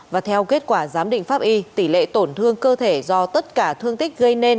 và theo kết quả giám định pháp y tỷ lệ tổn thương cơ thể do tất cả thương tích gây nên